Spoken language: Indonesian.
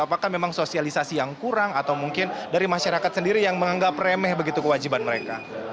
apakah memang sosialisasi yang kurang atau mungkin dari masyarakat sendiri yang menganggap remeh begitu kewajiban mereka